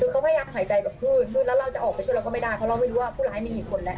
คือเขาพยายามหายใจแบบมืดแล้วเราจะออกไปช่วยเราก็ไม่ได้เพราะเราไม่รู้ว่าผู้ร้ายมีกี่คนแล้ว